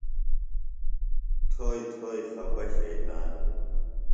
تھوئی تھوئی خپہ شیطان